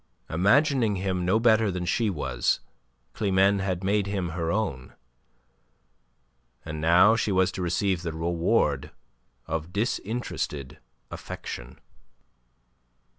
Imagining him no better than he was, Climene had made him her own. And now she was to receive the reward of disinterested affection.